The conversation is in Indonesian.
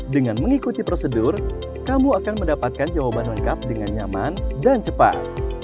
dengan mengikuti prosedur kamu akan mendapatkan jawaban lengkap dengan nyaman dan cepat